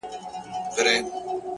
خو نن د زړه له تله ـ